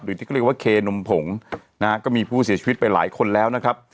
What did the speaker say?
ที่เขาเรียกว่าเคนมผงนะฮะก็มีผู้เสียชีวิตไปหลายคนแล้วนะครับ